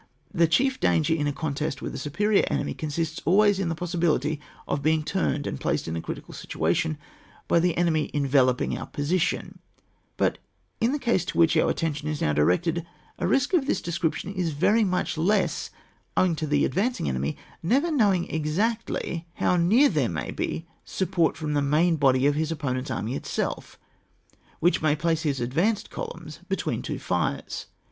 The chief danger in a contest with a superior enemy consists always in the possibility of being turned and placed in a critical situation by the enemy enveloping our position ; but in the case to which our attention is now directed, a risk of this description is very much less, owing to the advancing enemy never knowing exactly how near there may be support from the main body of his opponent's army itself, which may place his advanced column between two fires.